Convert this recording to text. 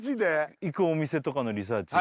行くお店とかのリサーチ？